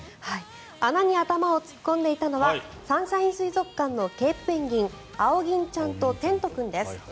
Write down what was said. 穴に頭を突っ込んでいたのはサンシャイン水族館のケープペンギン青銀ちゃんとテント君です。